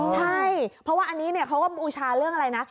ใช่เพราะว่าอันนี้เขาก็บูชาเรื่องอะไรนะ